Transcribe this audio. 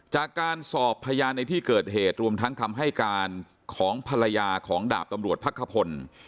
จากการสอบพยานในที่เกิดเหตุรวมทั้งคำให้การของภรรยาของดาบตำรวจพักขพล